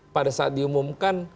pada saat diumumkan